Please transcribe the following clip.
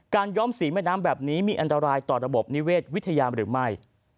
ย้อมสีแม่น้ำแบบนี้มีอันตรายต่อระบบนิเวศวิทยาหรือไม่